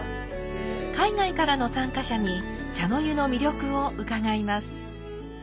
海外からの参加者に茶の湯の魅力を伺います。